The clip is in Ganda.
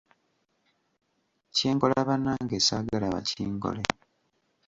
Kye nkola bannange saagala bakinkole.